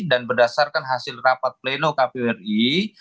dan berdasarkan hasil rapat pleno kpu ri